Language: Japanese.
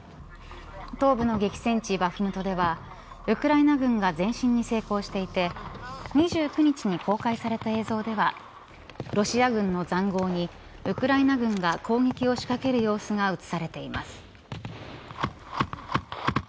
東部の激戦地バフムトではウクライナ軍が前進に成功していて２９日に公開された映像ではロシア軍の塹壕にウクライナ軍が攻撃を仕掛ける様子が映されています。